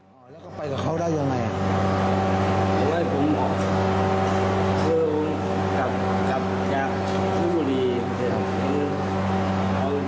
เอาลูกบุรีไปบ้างเพราะว่าที่ทำมันมีเรื่องครับ